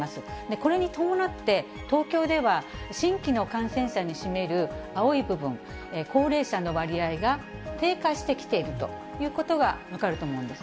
これに伴って、東京では新規の感染者に占める青い部分、高齢者の割合が低下してきているということが分かると思うんです